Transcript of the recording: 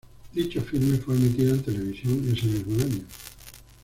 Dicho filme fue emitido en televisión ese mismo año.